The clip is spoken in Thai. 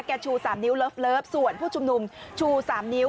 ชู๓นิ้วเลิฟส่วนผู้ชุมนุมชู๓นิ้ว